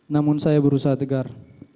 namun saya berusaha tegar